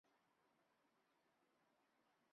脊柱裂为一种。